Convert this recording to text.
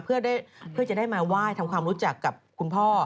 เพื่อจะได้มาไหว้ทำความรู้จักกับคุณพ่อ